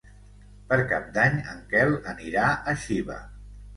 Per Cap d'Any en Quel anirà a Xiva.